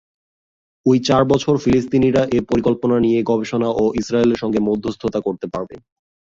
ওই চার বছর ফিলিস্তিনিরা এ পরিকল্পনা নিয়ে গবেষণা ও ইসরায়েলের সঙ্গে মধ্যস্থতা করতে পারবে।